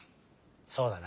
そうだな。